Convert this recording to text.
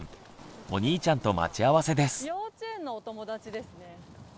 お兄ちゃんと待ち合わせです。